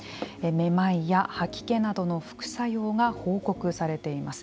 めまいや吐き気などの副作用が報告されています。